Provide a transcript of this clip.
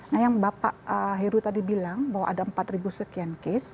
nah yang bapak heru tadi bilang bahwa ada empat ribu sekian case